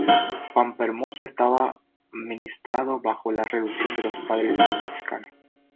Pampa Hermosa estaba administrado bajo la reducción de los padres franciscanos.